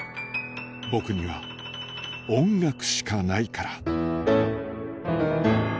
僕には音楽しかないから